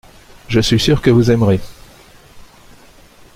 Je suis sûr que vous aimerez.